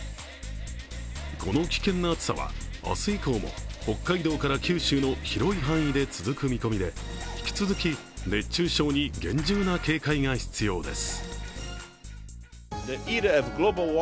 この危険な暑さは明日以降も北海道から九州の広い範囲で続く見込みで引き続き熱中症に厳重な警戒が必要です。